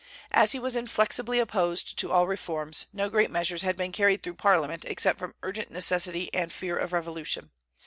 As he was inflexibly opposed to all reforms, no great measures had been carried through Parliament except from urgent necessity and fear of revolution.